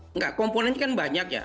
enggak komponen kan banyak ya